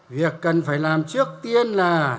việc cần phải làm trước tiên là